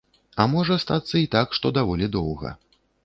А можа стацца і так, што даволі доўга.